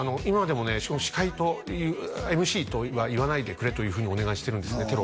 今でもね司会というＭＣとは言わないでくれというふうにお願いしてるんですね